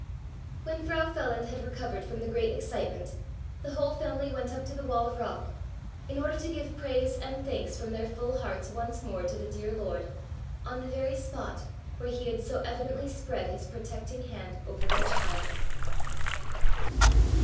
When Frau Feland had recovered from the great excitement the whole family went up to the wall of rock in order to give praise and thanks from their full hearts once more to the dear Lord, on the very spot where he had so evidently spread his protecting hand over their child.